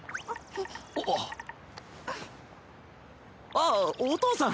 あっお父さん。